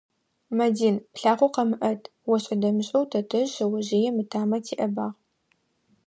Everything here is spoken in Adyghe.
«Мадин, плъакъо къэмыӏэт»,- ошӏэ-дэмышӏэу тэтэжъ шъэожъыем ытамэ теӏэбагъ.